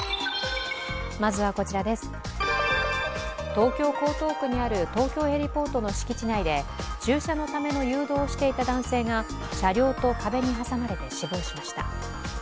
東京・江東区にある東京ヘリポートの敷地内で駐車のための誘導をしていた男性が車両と壁に挟まれて死亡しました。